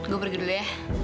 gue pergi dulu ya